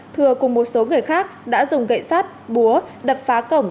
thừa cùng một số người khác đã dùng gậy sát búa đập phá cổng